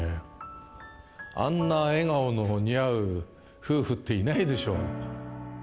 あんな笑顔の似合う夫婦っていないでしょう。